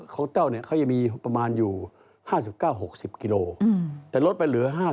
ขอเต้าเนี่ยเขาจะมีประมาณอยู่๕๙๖๐กิโลเมตรแต่ลดไปเหลือ๕๗๔๓